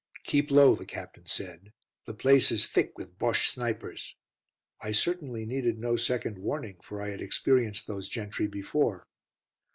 "Keep low," the Captain said, "the place is thick with Bosche snipers." I certainly needed no second warning, for I had experienced those gentry before.